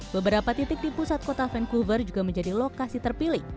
beberapa titik di pusat kota vancouver juga menjadi lokasi terpilih